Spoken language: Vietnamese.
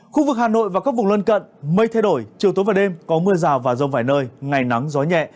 khu vực hà nội và các vùng lân cận mây thay đổi chiều tối và đêm có mưa rào và rông vài nơi ngày nắng gió nhẹ